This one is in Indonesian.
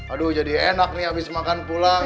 aduh jadi enak nih abis makan pulang